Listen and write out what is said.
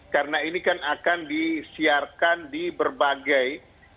karena ini akan di siarkan di berbagai